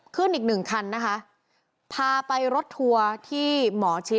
ขึ้นอีกหนึ่งคันนะคะพาไปรถทัวร์ที่หมอชิด